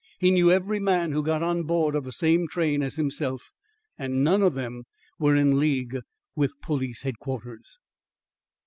He knew every man who got on board of the same train as himself; and none of them were in league with Police Headquarters.